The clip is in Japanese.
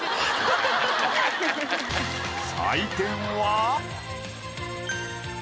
採点は。